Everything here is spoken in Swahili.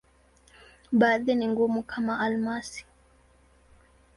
Baadhi ni ngumu, kama almasi.